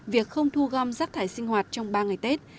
việc không thu gom rác thải sinh hoạt trong ba ngày tết